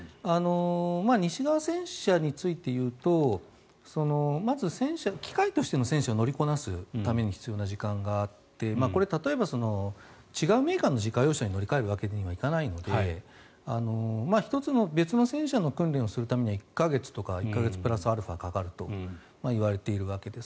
西側戦車について言うとまず、機械としての戦車を乗りこなすための時間が必要でこれ、例えば違うメーカーの自家用車に乗り換えるわけにはいかないので１つの別の戦車の訓練をするためには１か月とか１か月プラスアルファかかるといわれているわけです。